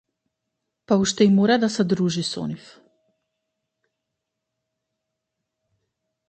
Па уште и мора да се дружи со нив.